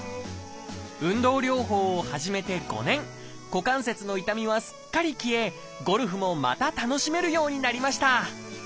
股関節の痛みはすっかり消えゴルフもまた楽しめるようになりました。